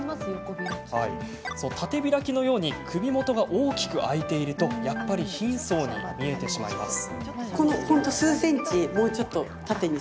縦開きのように首元が大きく開いているとやっぱり貧相に見えてしまうんです。